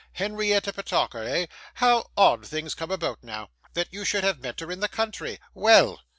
Henrietta Petowker, eh? How odd things come about, now! That you should have met her in the country! Well!